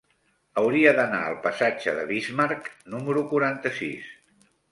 Hauria d'anar al passatge de Bismarck número quaranta-sis.